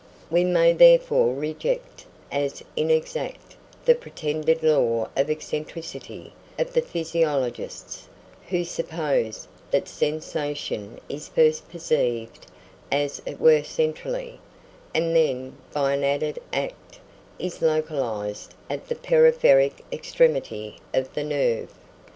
We may therefore reject as inexact the pretended law of eccentricity of the physiologists, who suppose that sensation is first perceived as it were centrally, and then, by an added act, is localised at the peripheric extremity of the nerve.